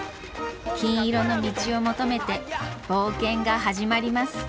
金色の道を求めて冒険が始まります。